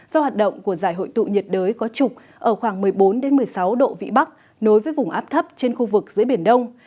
do hoạt động của giải hội tụ nhiệt đới có trục ở khoảng một mươi bốn một mươi sáu độ vĩ bắc nối với vùng áp thấp trên khu vực giữa biển đông